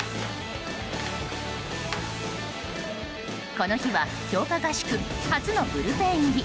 この日は強化合宿初のブルペン入り。